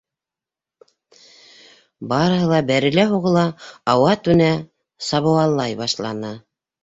Барыһы ла бәрелә-һуғыла, ауа-түнә сабауыллай башланы.